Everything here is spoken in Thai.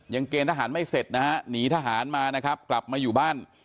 ยังเกณฑ์ทหารไม่เสร็จหนีทหารมากลับมาอยู่บ้าน